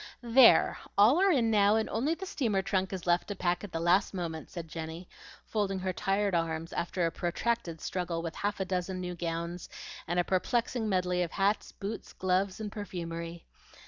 "There! All are in now, and only the steamer trunk is left to pack at the last moment," said Jenny, folding her tired arms after a protracted struggle with half a dozen new gowns, and a perplexing medley of hats, boots, gloves, and perfumery.